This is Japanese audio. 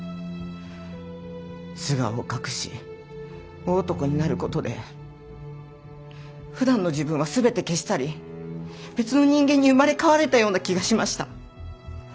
素顔を隠し大男になることでふだんの自分は全て消し去り別の人間に生まれ変われたような気がしました。